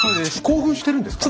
興奮してるんですか？